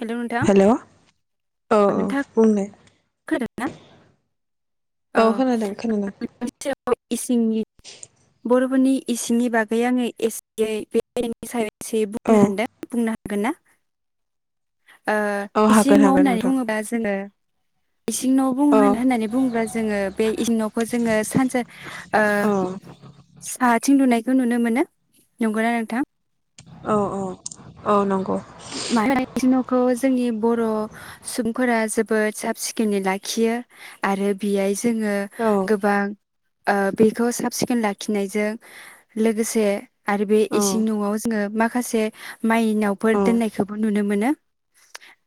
हेल' नोंथां हेलौ औ औ बुंदे खोना दोंना? औ खोनादों खोनादों औ इसिंनि बर'फोरनि इसिंनि बागै आङो एसेयै बेनि सायाव एसेै औ बुंनो सानदों बुंनो हागोन ना? ओ औ इसिं हागोन हागोन न'होननानै नोंथां बुङोबा जोङो इसिं न' बु औ होन होननानै बुङोब्ला जोङो बे इसिं न'खौ जोङो सानजा औ साहाथिं लुनाय बेखौ नुनो मोनो नंगौना नोंथां औ औ औ नंगौ मा न'खौ जोंनि बर' सुबुंफोरा जोबोद साब सिखोनै लाखियो आरो बेहाय ज जोङो औ गोबां ओ बेखौ साब सिखोन लाखिनायजों लोगोसे आरो बे औ इसिं न'आव जोङो माखासे माइनाव फोर औ दोननायखौबो नुनो मोनो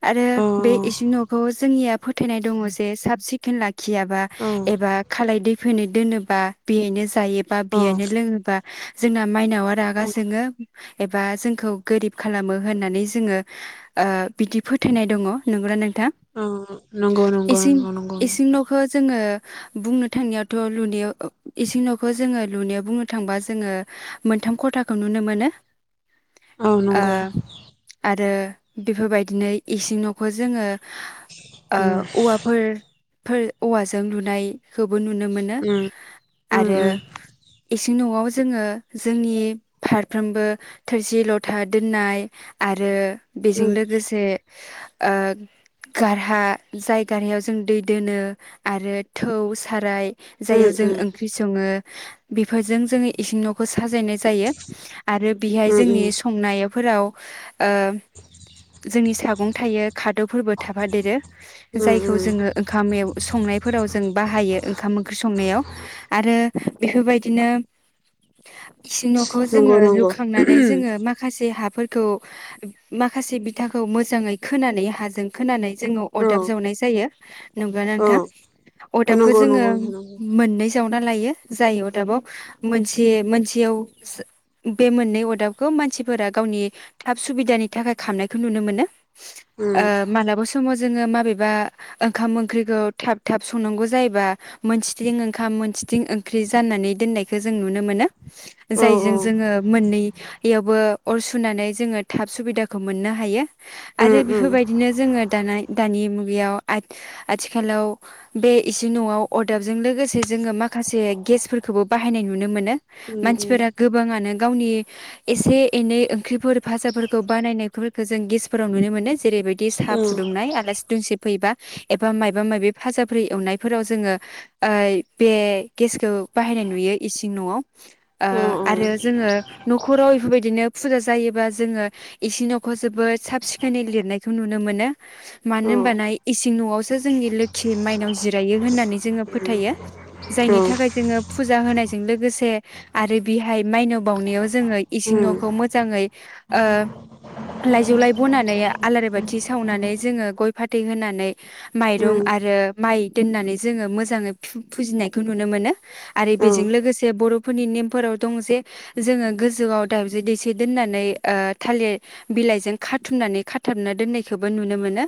आरो बे इसि न'खौ जोंनिया फोथायनाय दङ जे साब सिखोन लाखि खियाबा औ एबा खालाय दै फैनो दोनोबा बेनो ज जायोबा बेयनो लोङोबा जोंना माइनावा रागा जोङो। एबा जोंखौ गोरिब खालामो। होननानै जोङो ओ बिदि फोथायनाय दङ नंगौना? नोंथां औ नंगौ नंगौ इसिं नंगौ नंगौ इसिं न'खौ जोङो बुंनो थांनायावथ' लुनायाव इसिं न'खौ जोङो लुनायाव बुंनो थांबा जोङो मोनथाम ख'थाखौ नुनो मोनो। औ ओ नंगौ। आरो बेफोरबायदिनो इसिं न'खौ जोङो ओ उम औवाफोर फोर औवाजों लुनायखौ बो नुनो मोनो उम उम आरो इसिं न'आव जोङो जोंनि फारफ्रोमबो थोरसि- लथा दोननाय आरो उम बेजों लोगोसे ओ गारहा जाय गारहायाव जों दै दोनो आरो थौ साराय उम जाययाव जों ओंख्रि सङो। बेफोरजों जोङो इसिं न'खौ साजायनाय जायो। आरो बेहाय उम उम जोंनि संनायाव फोराव ओ जोंनि सागं थायो खादौफोरबो थाफादेरो उम जायखौ उम जोङो ओंखाम संनाय फोराव जों बाहायो ओंखाम ओंख्रि संनायाव आरो बेफोरबायदिनो। इसिं न'खौ नंगौ जोङो नंगौ लुखांनानै जोङो माखासे हाफोर खौ माखासे बिथाखौ मोजाङै खोनानै हाजों खोनानै जोङो औ अरदाब जावनाय जायो नंगौ औ नोंथां अरदाबखौ नंगौ जोङो नंगौ नंगौ उम मोननै जाव ना लायो जाय अदाबाव मोनसे मोनसेयाव बे मोननै अदाबखौ मानसिफोरा गावनि थाब सुबिदानि थाखाय खामनायखौ नुनो मोनो। ओ मालाबा समाव जोङो माबेबा ओंखाम -ओंख्रिखौ थाब -थाब संनांगौ जायोबा मोनसेथिं ओंखाम मोनसेथिं ओंख्रि जाननानै दोननायखौ जों नुनो मोनो। औ औ जायजों जोङो मोननैयावबो अर सुनानै जोङो थाब सुबिदाखौ मोननो हायो। उम आरो उम बेफोरबायदिनो जोङो दानि मुगा यावथ' आथिखालाव बे इसिंन'आव अरदाबजों लोगोसे जोङो माखासे गेसफोरखौबो बाहायनाय नुनो मोनो। उम उम मानसिफोरा गोबाङानो गावनि एसे -एनै ओंख्रिफोर भाजाफोरखौ बानायनायफोरखौ जों गेसफोराव नुनो मोनो। जेरैबायदि साह उम फुदुंनाय आलासि दुमसि फैबा एबा मायबा माबि फाजा ओंख्रि एवनायफोराव जोङो ओ बे गेसखौ बाहायनाय नुयो इसिं न'आव। ओ औ आरो जोङो न'खराव इफोरबायदिनो फुजा जायोबा जोङो इसिं न'खौ जोबोद साब सिखोनै लिरनायखौ नुनो मोनो। मानो उम औ होनबाना इसिं न'आवसो जोंनि लोखि माइनाव जिरायो होननानै जोङो फोथायो जायनि थाखाय जोङो फुजा होनायजों लोगोसे आरो बेहाय मायनाव बावनायाव जोङो इसिं न'खौ मोजाङै ओ लाइजौलाय बनानै आलारि बाथि सावनानै जोङो गय फाथ फाथै होनानै माइरं आरो माइ दोननानै जोङो मोजाङै फु फुजिनायखौ नुनो मोनो, आरो बेजों लोगोसे बर'फोरनि नेमफोराव दं जे जोङो गोजौआव दावदै दैसे दोननानै ओ थालिर बिलाइजों खाथुमनानै खाथाबना दोननायखौबो नुनो मोनो।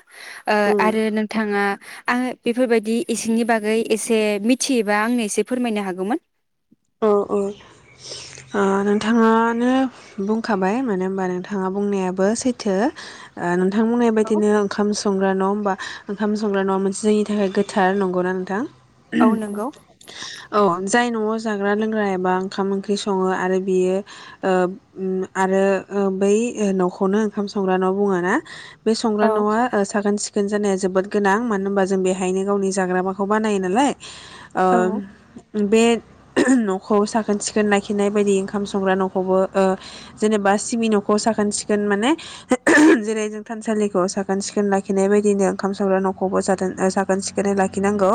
ओ उम आरो नोंथाङा आङो इफोरबायदि इसिंनि बागै एसे मिथियोबा आंनो एसे फोरमायनो हागौमोन। औ औ ओ नोंथाङानो बुंखाबाय मानो होनबा नोंथाङा बुंनायाबो सैथो। नोंथां बुंनाय बायदिनो ओंखाम सं न' होमबा ओंखाम संग्रा न'आ मोनसे जोंनि थाखाय गोथार नंगौना नोंथां? औ नंगौ। औ जाय नआव जाग्रा लोंग्रा एबा ओंखाम ओंख्रि सङो आरो बियो ओ आरो बै न'खौनो ओंखाम संग्रा न' बुङो ना? बे संग्रा औ न'आ सागोन सिख सिखोन जानाया जोबोद गोनां मानो होनबा जों बेहायनो गावनि जाग्रा फोरखौ बानायो नालाय। ओ औ बे न'खौ साखोन सिखोन लाखिनाय बायदि ओंखाम संग्रा न'खौबो ओ जेनेबा सिबि न'खौ साखोन सिखोन माने जेरै जों थानसालिखौ साखोन सिखोन लाखिनाय बायदिनो ओंखाम संग्रा न'खौबो साखोन सिखोनै लाखिनांगौ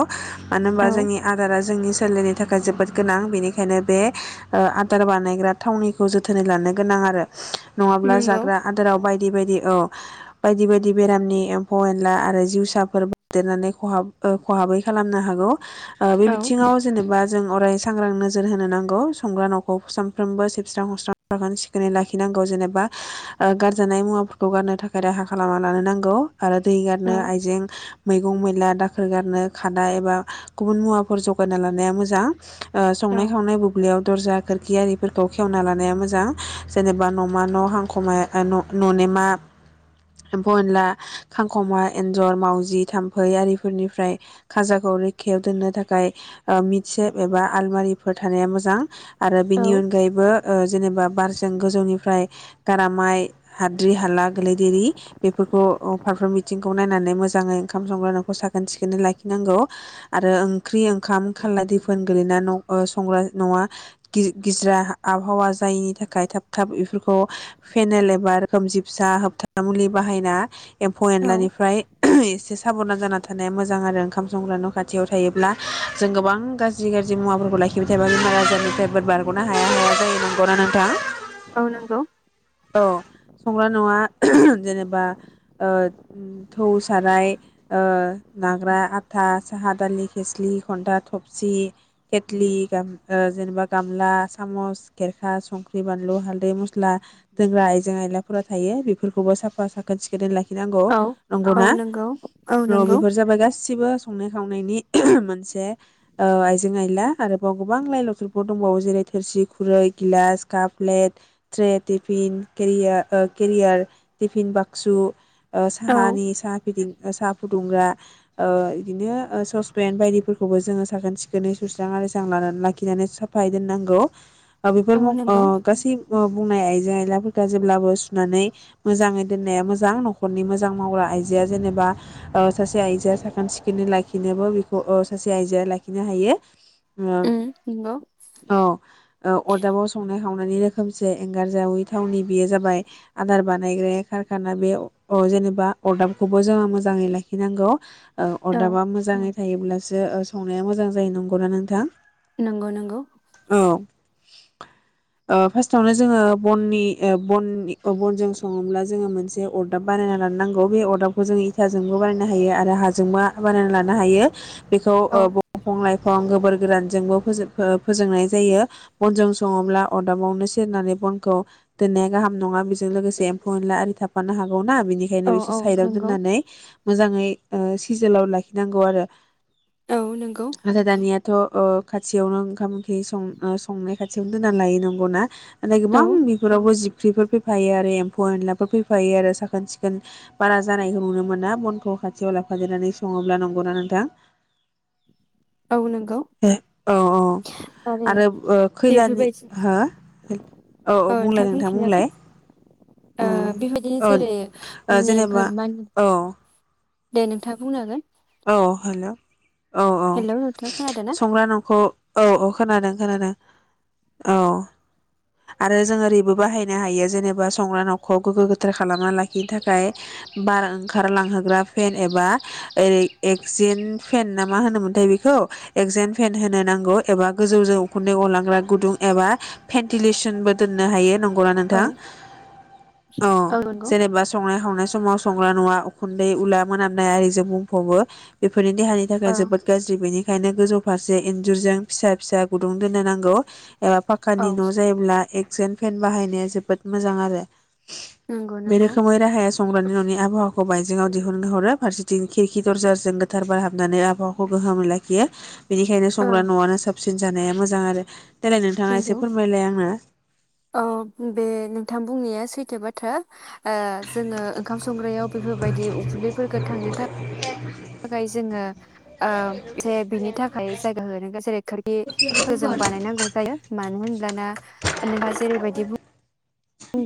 मानो होनबा औ जोंनि आदारा जोंनि सोललिनि थाखाय जोबोद गोनां बेनिखायनो बे ओ आदार बानायग्रा थावनिखौ जोथोनै लानो गोनां आरो। नङाब्ला नंगौ जाग्रा आदाराव बाय बायदि बायदि औ बायदि बायदि बेरामनि एम्फौ एनला आरो जिउसाफोर बदेरनानै खहाब खहाबै खालामनो हागौ। बे औ बिथिङाव जेनेबा जों अराय सांग्रां नोजोर होनो नांगौ, संग्रा न'खौ सानफ्रोमबो सिबस्रां हस्रां साखोन सिखोनै लाखिनांगौ जेनेबा गारजानाय मुवाफोरखौ गारनो थाखाय राहा खालामना लानो नांगौ। आरो दै गारनो औ आइजें। मैगं मैला दाखोर गारनो खादा एबा गुबुन मुवाफोर जगायना लानाया मोजां। औ संनाय खावनाय बुब्लियाव दरजा खोरखि आरिफोरखौ खेवना लानाया मोजां जेनेबा न'मा न' हांखमाया ननेमा एफनला खांख'मा एन्जर मावजि थाम्फै आरिफोरनिफ्राय खाजाखौ रैखायाव दोननो थाखाय मिटसेब एबा आलमारिफोर थानाया मोजां। आरो औ बेनि अनगायैबो। जेनेबा बारजों गोजौनिफ्राय गारामाइ हाद्रि हाला गोलैदेरि बेफोरखौ फारफ्रोम बिथिंखौ नायनानै मोजाङै ओंखाम संग्रा न'खौ साखोन सिखोनै लाखिनांगौ आरो ओंख्रि ओंखाम खाारला दैफोन। गोगलैना संग्रा नङा गिजिरा आबहावा जायिनि थाखाय थाब थाब बेफोरखौ फेनेल एबाोखोमजबसा होबथा मुलि बाहायना। एम्फौ औ एनलानिफ्राय एसे साब'ना। जाना थानाया मोजां आरो ओंखाम संग्रा न' खाथियाव थायोब्ला जों गोबां गाज ज्रि गाज्रि मुवाफोरखौ लाखिबाय थायोबा बेमार आजारनिफ्राय ब बारग'नो हाया हाया जायो, नंगौना नोंथां? औ नंगौ औ संग्रा न'आ जेनेबा ओ थौ साराय ओ नाग्रा आथा, साहा दालि, खोस्लि, खन्था, थबसि केटलि ओ जेनेबा गामला, सामस, खेरखा, संख्रि, बानलु, हाल्दै, मस्ला दोंग्रा आयजें आयलाफोरा थायो बेफोरखौबो साफा साखोन सिखोनै लाखि नांगौ औ औ नंगौना? नंगौ औ र नंगौ बेफोर जाबाय गासिबो संनाय खावनायनि मोनसे ओ जें आइला आरोबाव गोबां लाइ लावथरफोर दंबावो जेरै थोरसि, खुरै, गिलास, cup, plate, tray, tiffin, carrier ओ केरियार, टिफिन, बाक्सु ओ औ साहानि साहा फिदिं साहा फुदुंग्रा ओ बिदिनोससपेन बायदिफोरखौबो जोङो साखोन सिखोन नै सुस्रां आरिस्रां लाना-लाखिनानै साफायै दोननांगौ। बेफोर औ म नंगौ गासै बुंनाय आइजें आइलाफोरखौ जेब्लाबो सुनानै मोजाङै दोननाया मोजां न'खरनि मोजां मावग्रा आइजोआ जेनेबा ओ‌सासे आइजोआ साखोन सिखोनै लाखिनोबा बेखौ ओ सासे आइजोआ लाखि नो हायो। उम नंगौ औ ओ अरदाबाव संनाय खावनायनि रोखोमसे एंगार जावै थावनि बेयो जाबाय आदार बानायग्राया खारखाना बे जेनेबा अदाबखौबो जोङो मोजाङै लाखिनांगौ। ओ औ अदाबा मोजाङै जायोब्लासो सं नाया मोजां जायो, नंगौना नोंथां? नोंगौ नोंगौ। ओ‌ फार्स्टआवनो जोङो बननि बननि बनजों सङोब्ला जोङो मोनसे अरदाब बानायना लानो नांगौ बे अरदाबखौ जोङो इथाजोंबो बानायनो हायो आरो हाजोंबो बानायना लानो हायो बेखौ औ ओ लाइफां गोबोर गोरानजोंबो फोजोंनाय जायो बनजों सङोब्ला अरदाबावनो सेरनानै बनखौ दोननाया गाहाम नङा बेजों लोगोसे एम्फौ एनला आरि थाफानो हाग ना‌ औ बिनिखायनो इसे औ साइदआव नंगौ दोननानै मोजाङै ओ सिजोलाव लाखिनांगौ आरो। औ नंगौ आरो दानिया थ' ओ खाथियावनो ओंखाम ओंख्रि सं-संनाय खाथियावनो दोननानै लायो नंगौना? आरो औ गोबां बेफोरावबो जि फुख्रिफोर फैफायो आरो एम्फौ एनलाफोर फैफायो आरो साखोन सिखोन बारा जानायखौ नुनो मोना बनखौ खाथियाव लाफादेरनानै सङोब्ला, नंगौना नोंथां? औ नंगौ औ औ आरो ओ खैलानि बेफोरबायदि हो? औ ओ औ बुंलाय नोंथाङा नोंथां बुंलाय बुंफिनजागोन ओ बेबायदिनो जेरै औ जेनेबा नेमफोर मान औ दे नोंथाङा बुंनो‌ हागोन अ हेल' औ औ हेलौ नोंथाङा खोनादों ना संग्रा न'खौ औ औ खोनादों खोनादों औ आरो जों ओरैबो बाहायनो हायो जेनेबा संग्रा न'खौ गोग्गो गोथार खालामना लाखिनो थाखाय बार ओंखारलांहोग्रा फेन एबा ओरै एकजेन फेन ना मा होनोमोनथाय बेखौ एकजेन फेन होनो नांगौ एबा गोजौजों उखुन्दै अरलांग्रा गुदुं एबा भेन्टिलेसनबो दोननो हायो नं गौना औ नोंथां? औ जेनेबा संनाय खावनाय समाव संग्रा नुवा उखुन्दै उला मोनामनाय आरिजों बुंफ'बो। बेफोरो देहानि थाखाय औ जोबोद गाज्रि बेनि खायनो गोजौ फारसे इन्जुरजों फिसा फिसा गुदुं दोननो नांगौ एबा औ पाकानि न' जायोब्ला ए जेन फेन बाहायनाया जोबोद मोजां आरो। नंगौ बे नंगौ रोखोमै राहाया संग्रानि न'नि आबहावाखौ बायजोआव दिहुननो हरो फारसेथिं खिरखि दरजारजों गोथार बार हाबनानै आबहावाखौ गोहोमै लाखियो। बेनिखायनो औ संग्रा न'आनो साबसिन सिन जानाया मोजां आरो। देलाय नोंथाङा एसे नोंगौ फोरमायलाय आंनो औ बे नोंथां बुंनाया सै थो बाथ्रा ओ जोङो ओंखाम संग्रायाव बेफोरबायदि उखुन्दैफोरफोरखो थांनो थाखाय थाखाय जोङो ओ जे बिनि थाखाय जायगा होनांगौ जेरै खोरखिफोर जों बानायनांगौ जायो। मानो होनब्लाना नोंथाङा जेरैबायदि बुं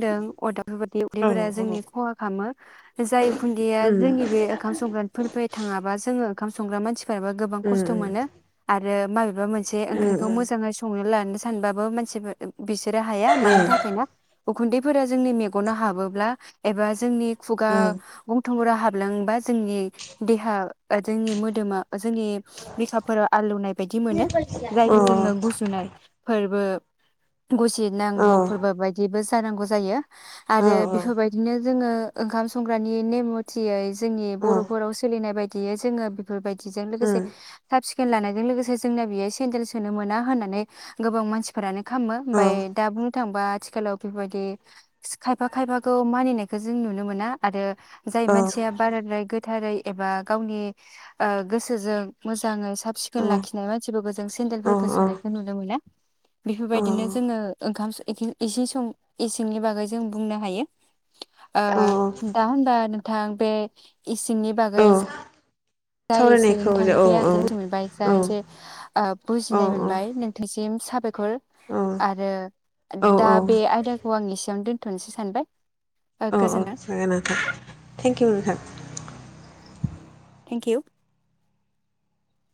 दों अदाब बेफोरबायदि औ उखुन्दैफोरा उम जोंनि खहा खालामो जाय उखुन्दैया उम जोंनि बे ओंखाम संग्रानिफोरफाय थाङाबा जों जोंङो‌ ओंखाम संग्रा मानसि याबो गोबां खस्थ' उम मोनो आरो माबे बा मोनसे ओंख्रिखो मोजाङै संनो लानो सानबा सानबाबो मानसिफोर बिसोरो हाया मानि थाखाय ना उखुन्दैफोरा जोंनि मेगनाव हाबोब्ला एबा जोंनि खगा गन थंफोरा हाबलांबा जोंनि देहा जोंनि मोदोमा जोंनि बिफोराव आलौनाय बायदि मोनो जायजों जोङो गुजुनाय फोरबो गुसे नांगौ फोरबो बायदिबो जों जानांगौ जायो। आरो बेफोरबायदिनो जोङो ओंखाम संग्रानि नेम मथियै जोंनि बर'फोराव सोलिनाय बायदि बियो जोङो बेफोरबायदिजों लोगोसे [unintelligible] लानायजों लोगोसे जोंना बेयो सेन्देल सोनो मोना होन्नानै गोबां मानसिफोरानो खालामो ओमफ्राय दा बुं थांबा आथिखालाव बेफोरबायदि सि- खायफा खायफाखौ मानिनायखौ जों नुनो मोना आरो जाय मानसिया बाराद्राय गोद थारै एबा गावनि ओ गोसोजों मोजां साब सिखोन लाखिनाय मानसिफोरखौ जों सेन्देलफोरखौ सोनायखौ नुनो मोना। बेफोरबायदिनो जोङो ओंखाम एखिन [unintelligible] सं इसिंनि बागै जों बुंनो हायो। आ दा होमबा थां बे इसिंनि औ बागै जा एसे सावरायनायखौ औ नोंथांनिफ्राय आं औ रायनाय मोनबाय जा औ एसे औ बुजिनाय मोनबाय नोंथांसिम साब [inaudible] औ आरो दा औ बे आयदाखौ आं एसेयावनो दोन थनसै सानबाय अ औ, गोजोन्थों जागोन नोंथां, थेंक इउ नोंथां थेंक इउ [inaudible]